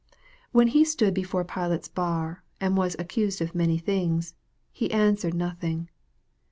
When He stood be fore Pilate's bar, and was "accused of many things," He answered nothing.